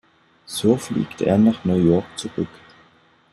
So fliegt er nach New York zurück.